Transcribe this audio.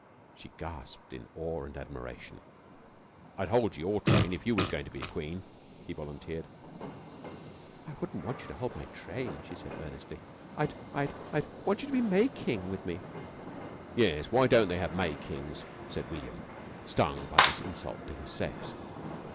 she gasped in awe and admiration. "I'd hold your train if you was goin' to be queen," he volunteered. "I wouldn't want you to hold my train," she said earnestly. "I'd I'd I'd want you to be May King with me." "Yes. Why don't they have May Kings?" said William, stung by this insult to his sex.